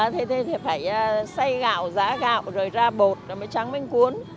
thì phải xay gạo giã gạo rồi ra bột rồi mới trang bánh cuốn